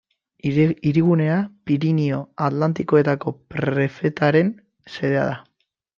Hirigunea Pirinio Atlantikoetako prefetaren xedea da.